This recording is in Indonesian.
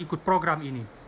mereka juga mencari program ini